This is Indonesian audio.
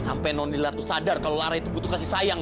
sampai nondilat itu sadar kalau lara itu butuh kasih sayang